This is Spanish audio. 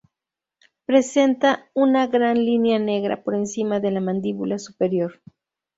Presenta una gran línea negra por encima de la mandíbula superior.